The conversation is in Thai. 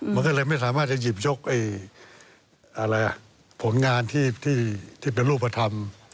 มันก็เลยไม่สามารถจะหยิบยกผลงานที่เป็นรูปธรรม